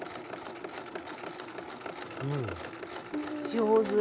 上手。